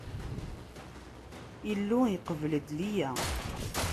Illu iqbel-d Liya.